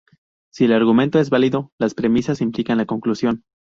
Si el argumento es válido, las premisas implican la conclusión.